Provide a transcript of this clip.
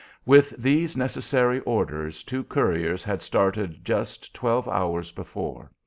With these necessary orders two couriers had started just twelve hours before.